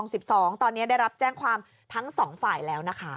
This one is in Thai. ตอนนี้ได้รับแจ้งความทั้งสองฝ่ายแล้วนะคะ